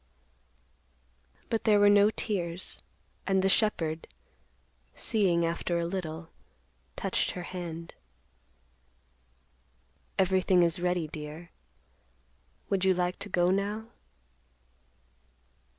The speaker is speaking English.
But there were no tears, and the shepherd, seeing after a little touched her hand. "Everything is ready, dear; would you like to go now?"